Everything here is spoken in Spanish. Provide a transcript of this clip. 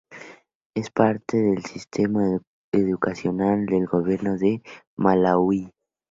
Es parte del sistema educacional del gobierno de Malaui.